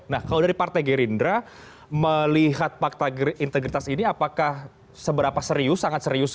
nah kalau dari partai gerindra melihat fakta integritas ini apakah seberapa serius sangat serius